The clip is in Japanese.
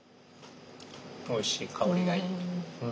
おいしい香りがいい。